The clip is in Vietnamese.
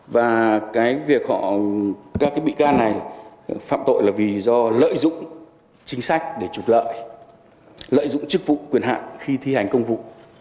và cái việc các cái bị can này phạm tội là vì do lợi dụng chính sách để trục lợi lợi dụng chức vụ quyền hạn khi thi hành công vụ